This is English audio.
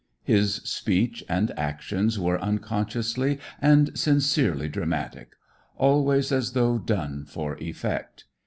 His speech and actions were unconsciously and sincerely dramatic, always as though done for effect.